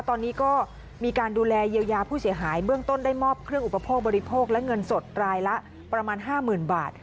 ตอนนี้ก็มีการดูแลเยียวยาผู้เสียหายเบื้องต้นได้มอบเครื่องอุปโภคบริโภคและเงินสดรายละประมาณ๕๐๐๐บาท